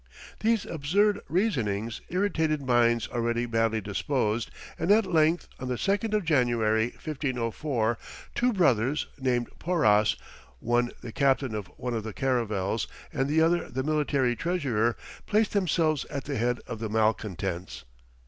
These absurd reasonings irritated minds already badly disposed, and at length on the 2nd of January, 1504, two brothers named Porras, one the captain of one of the caravels and the other the military treasurer, placed themselves at the head of the malcontents.